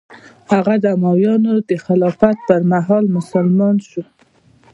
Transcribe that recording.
هغه د امویانو د خلافت پر مهال مسلمان شوی.